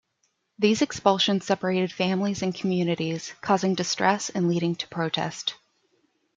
These expulsions separated families and communities, causing distress and leading to protest.